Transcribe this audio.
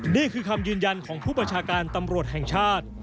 นี่คือคำยืนยันของผู้ประชาการตำรวจแห่งชาติ